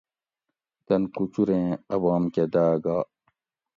تن کوچوریں اۤ بام کہ داۤ گا